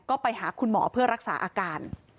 ก็ไปหาคุณหมอเพื่อรักษาอาการ